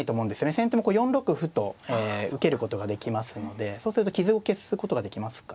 先手もこう４六歩と受けることができますのでそうすると傷を消すことができますからね。